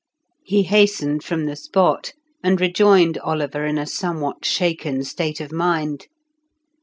He hastened from the spot, and rejoined Oliver in a somewhat shaken state of mind.